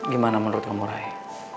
gimana menurut kamu rea